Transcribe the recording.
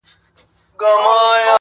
يه پر ما گرانه ته مي مه هېروه.